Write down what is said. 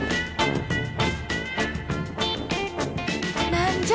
何じゃ？